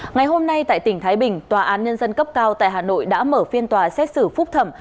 ngày hôm nay tại tỉnh thái bình tòa án nhân dân cấp cao tại hà nội đã mở phiên tòa xét xử phúc thẩm